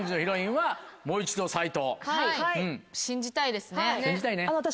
はい信じたいですね。